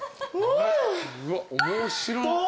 うわっ面白っ。